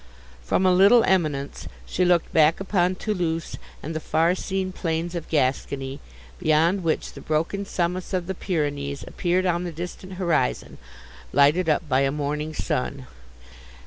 From a little eminence she looked back upon Thoulouse, and the far seen plains of Gascony, beyond which the broken summits of the Pyrenees appeared on the distant horizon, lighted up by a morning sun.